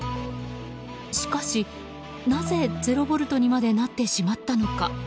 しかし、なぜ０ボルトにまでなってしまったのか。